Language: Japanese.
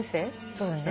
そうだね。